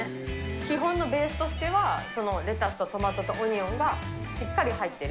基本のベースとしては、レタスとトマトとオニオンがしっかり入ってる。